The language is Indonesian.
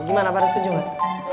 gimana pada setuju gak